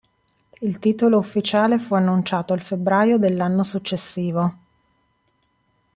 Il titolo ufficiale fu annunciato il febbraio dell'anno successivo.